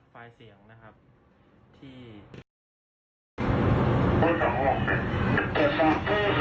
ถ้าเจอส่องข้างบนท่านก็จะมีพูดส่วนหายเทน